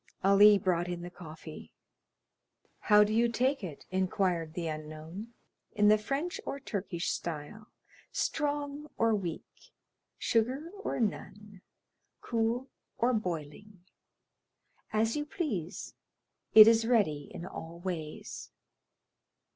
Ali brought in the coffee. "How do you take it?" inquired the unknown; "in the French or Turkish style, strong or weak, sugar or none, cool or boiling? As you please; it is ready in all ways."